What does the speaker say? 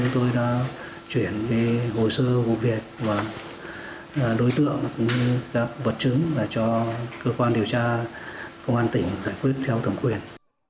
tôi đã chuyển hồ sơ vụ việc và đối tượng cũng như các vật chứng để cho cơ quan điều tra công an tỉnh giải quyết theo thẩm quyền